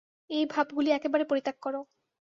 এই ভাবগুলি একেবারে পরিত্যাগ কর।